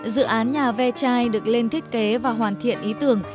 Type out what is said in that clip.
dự án nhà ve chai được lên thiết kế và hoàn thiện ý tưởng